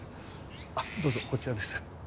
あっどうぞこちらです